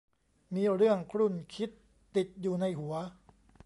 มีเรื่องครุ่นคิดติดอยู่ในหัว